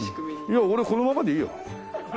いや俺このままでいいよ。